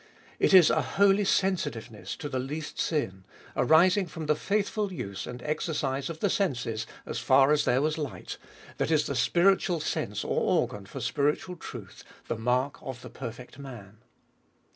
// is a holy sensitiveness to the least sin, arising from the faithful use and exercise of the senses as far as Iboltest of 21U 201 there was light, that is the spiritual sense or organ for spiritual truth, the mark of the perfect man.